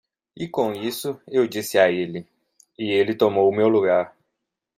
E com isso eu disse a ele? e ele tomou o meu lugar.